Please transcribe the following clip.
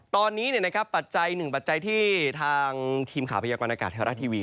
ตอนนี้ปัจจัยหนึ่งปัจจัยที่ทางทีมข่าวพยากรณากาศไทยรัฐทีวี